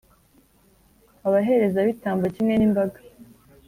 abaherezabitambo kimwe n’imbaga,